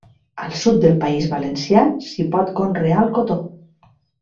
Al sud del País valencià s'hi pot conrear el cotó.